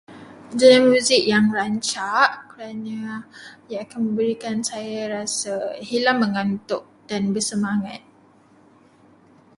Genre muzik yang rancak kerana ia akan memberikan saya rasa hilang mengantuk dan bersemangat.